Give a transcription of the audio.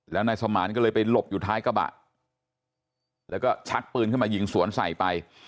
แล้วนายสมานก็เลยไปหลบอยู่ท้ายกระบะแล้วก็ชักปืนขึ้นมายิงสวนใส่ไป